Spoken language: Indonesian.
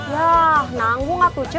yah nanggung atu cie